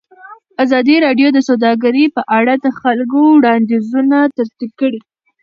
ازادي راډیو د سوداګري په اړه د خلکو وړاندیزونه ترتیب کړي.